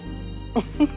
フフフ。